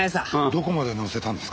どこまで乗せたんですか？